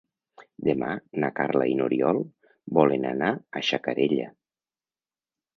Demà na Carla i n'Oriol volen anar a Xacarella.